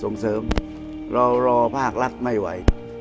ส่งเสริมเรารอภาครัฐไม่ไหว